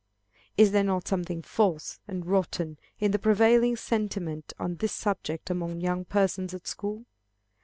Is there not something false and rotten in the prevailing sentiment on this subject among young persons at school?